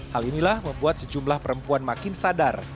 hal inilah membuat sejumlah perempuan makin sadar